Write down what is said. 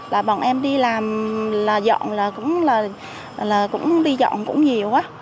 là bọn em đi làm là dọn là cũng là cũng đi dọn cũng nhiều quá